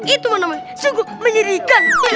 itu mana mana sungguh menyirikan